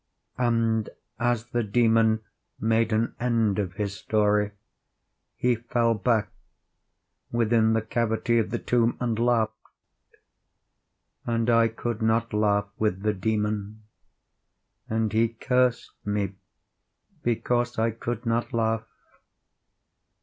And as the Demon made an end of his story, he fell back within the cavity of the tomb and laughed. And I could not laugh with the Demon, and he cursed me because I could not laugh.